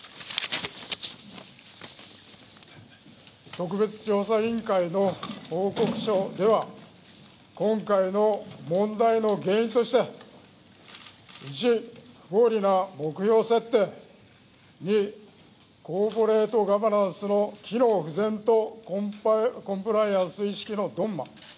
特別調査委員会の報告書では今回の問題の原因として１、不合理な目標設定２、コーポレートガバナンスの機能不全とコンプライアンス意識の鈍麻。